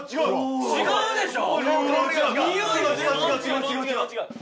違うでしょ？